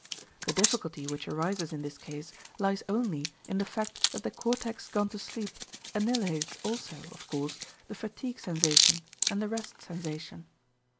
The difficulty which arises in this case lies only in the fact that the cortex gone to sleep annihilates also, of course, the fatigue sensation and the rest sensation.